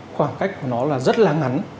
khoảng cách của nó là rất là ngắn